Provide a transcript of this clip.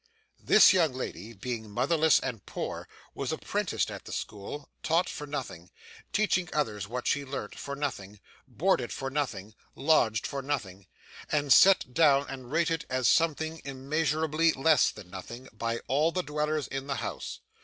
This young lady, being motherless and poor, was apprenticed at the school taught for nothing teaching others what she learnt, for nothing boarded for nothing lodged for nothing and set down and rated as something immeasurably less than nothing, by all the dwellers in the house.